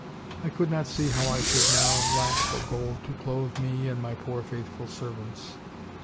" I could not see how I should now lack for gold to clothe me and my poor faithful servants.